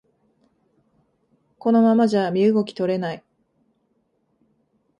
このままじゃ身動き取れない